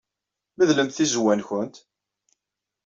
Medlemt tizewwa-nwent.